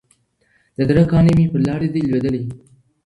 د زړه كاڼى مي پر لاره دى لــوېـدلى